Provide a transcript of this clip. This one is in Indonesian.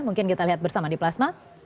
mungkin kita lihat bersama di plasma